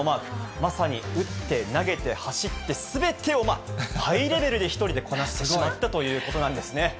まさに打って、投げて、走って、すべてをハイレベルで１人でこなしてしまったということなんです